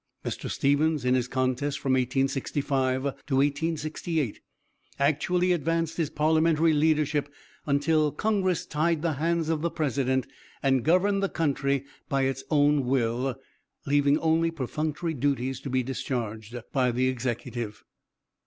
Mr. Stevens, in his contests from 1865 to 1868, actually advanced his parliamentary leadership until Congress tied the hands of the President and governed the country by its own will, leaving only perfunctory duties to be discharged by the Executive.